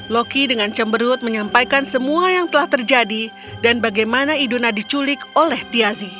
loki dengan cemberut menyampaikan semua yang telah terjadi dan bagaimana iduna diculik oleh tiazi